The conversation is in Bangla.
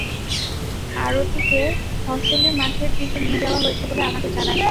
আরতিকে ফসলি মাঠের দিকে নিয়ে যাওয়া হয়েছে বলে আমাদের জানায় সে।